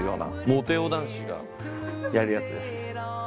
モテ男男子がやるやつです。